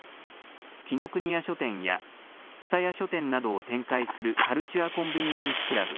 紀伊國屋書店や蔦屋書店などを展開するカルチュア・コンビニエンス・クラブ